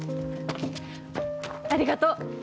ありがとう！